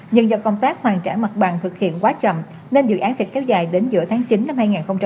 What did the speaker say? nhưng do công tác hoàn trả mặt bằng thực hiện quá chậm nên dự án sẽ kéo dài đến giữa tháng chín năm hai nghìn một mươi chín